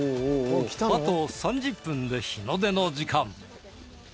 あと３０分で日の出の時間